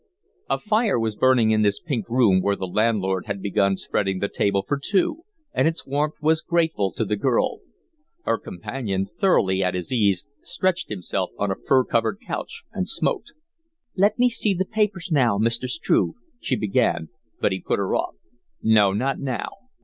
A fire was burning in this pink room where the landlord had begun spreading the table for two, and its warmth was grateful to the girl. Her companion, thoroughly at his ease, stretched himself on a fur covered couch and smoked. "Let me see the papers, now, Mr. Struve," she began, but he put her off. "No, not now.